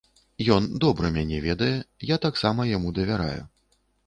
Ён добра мяне ведае, я таксама яму давяраю.